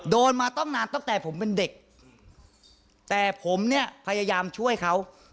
โดนมาตั้งนานตั้งแต่ผมเป็นเด็กแต่ผมเนี่ยพยายามช่วยเขา